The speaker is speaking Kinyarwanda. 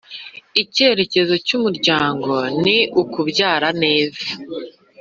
Icyerekezo cy Umuryango ni kubaho neza